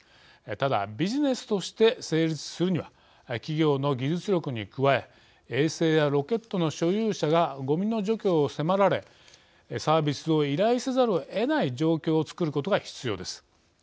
ただビジネスとして成立するには企業の技術力に加え衛星やロケットの所有者がごみの除去を迫られサービスを依頼せざるをえない状況をつくることが必要です。